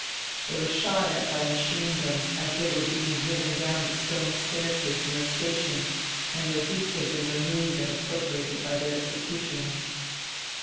They were shot at by machine guns as they were being driven down the stone staircase in the station, and their boots had been removed and appropriated by their executioners.